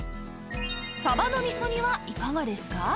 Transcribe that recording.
さばの味噌煮はいかがですか？